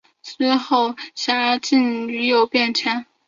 之后辖境屡有变迁。